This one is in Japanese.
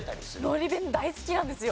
のり弁大好きなんですよ。